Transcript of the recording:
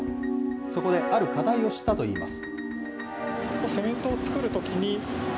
そこで、ある課題を知ったといいます。